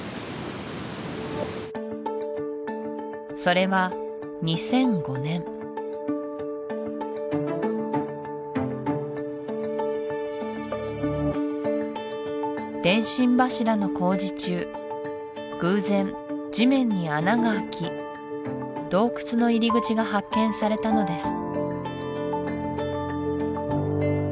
それは２００５年電信柱の工事中偶然地面に穴が開き洞窟の入り口が発見されたのです